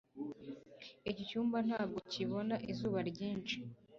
Iki cyumba ntabwo kibona izuba ryinshi